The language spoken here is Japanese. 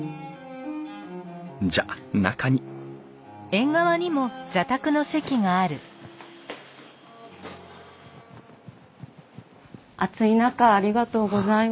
じゃあ中に暑い中ありがとうございます。